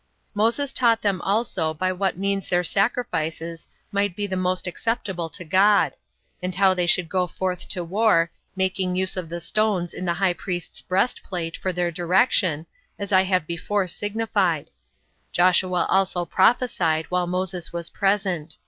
Moses taught them also by what means their sacrifices might be the most acceptable to God; and how they should go forth to war, making use of the stones [in the high priest's breastplate] for their direction, 35 as I have before signified. Joshua also prophesied while Moses was present.